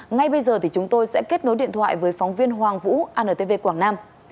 ngay bây giờ thì chúng tôi sẽ kết nối điện thoại với phóng viên hoàng vũ antv quảng nam